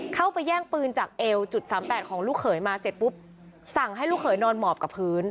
เข้าไปแย่งปืนจากเอวจุดสามแปดของลูกเขยมาเสร็จปุ๊บสั่งให้ลูกเขยนอนหมอบกับพื้น